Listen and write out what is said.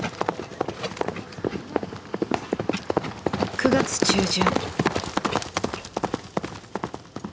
９月中旬。